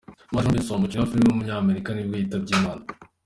Matt Robinson, umukinnyi wa film w’umunyamerika nibwo yitabye Imana.